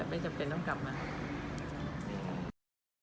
ก็คงเข้าใจกันไปแล้วเราก็ได้สิทธิ์กรรมอะไรกันไป